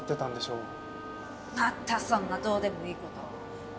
またそんなどうでもいい事を。